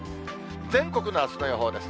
全国のあすの予報です。